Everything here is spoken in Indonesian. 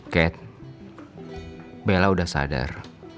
kat bella udah sadar